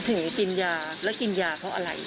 ถึงกินยาแล้วกินยาเพราะอะไร